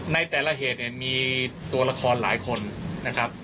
ในแต่ละเหตุเนี่ยมีตัวละครหลายคนนะครับ